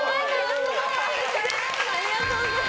おめでとうございます。